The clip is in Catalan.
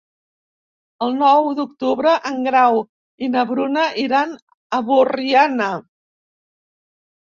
El nou d'octubre en Grau i na Bruna iran a Borriana.